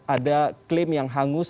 ada klaim yang hangus